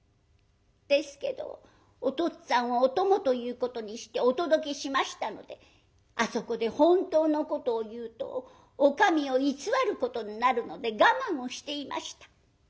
ですけどおとっつぁんをお供ということにしてお届けしましたのであそこで本当のことを言うとお上を偽ることになるので我慢をしていました。